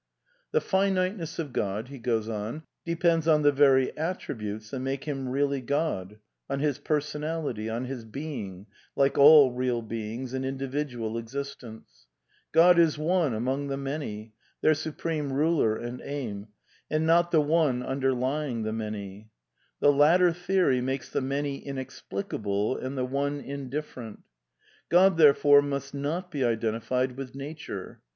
(^Biddlea of the Sphinx, pp. 850, 361.) PEAGMATISM AND HUMANISM 141 "The finiteness of God depends on the very attributes that make him really God, on His personality, on His being, like all real beings, an individual existence. God is one among tiie Many, their supreme ruler and aim, and not the One under lying the Many. The latter theory makes the Many inexplica ble and the One indifferent. God, therefore, must not be iden tified with Nature.